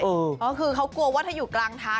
ก็คือเขากลัวว่าถ้าอยู่กลางทาง